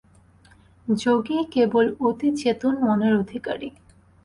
যোগীই কেবল অতিচেতন মনের অধিকারী।